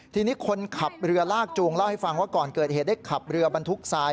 ทีนี้คนขับเรือลากจูงเล่าให้ฟังว่าก่อนเกิดเหตุได้ขับเรือบรรทุกทราย